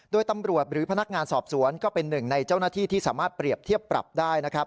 โดยตำรวจหรือพนักงานสอบสวนก็เป็นหนึ่งในเจ้าหน้าที่ที่สามารถเปรียบเทียบปรับได้นะครับ